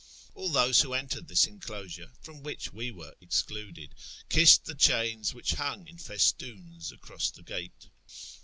All those who entered this enclosure, from which we were excluded, kissed the chains which hung in festoons across the gate.